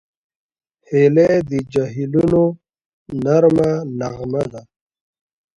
هیلۍ د جهیلونو نرمه نغمه ده